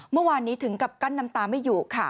เมื่อวานนี้ถึงกับกั้นน้ำตาไม่อยู่ค่ะ